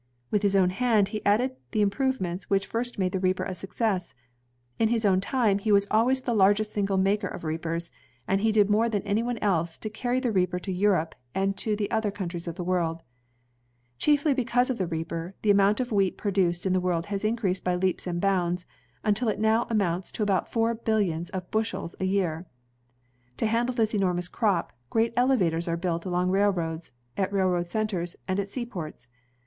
With his own hand, he added the improvements which first made the reaper a success ; in his own time, he was always the largest single maker of reapers, and he did IAMBI IKH»XN HASVESTEK OH WESTEKN PLAINS l6o INVENTIONS OF MANUFACTURE AND PRODUCTION more than anyone else to carry the reaper to Europe and to the other countries of the world. Chiefly because of the reaper, the amount of wheat produced in the world has increased by leaps and boimds, imtil it now amounts to about four billions of bushels a year. To handle this enormous crop, great elevators are built along railroads, at railroad centers, and at seaports.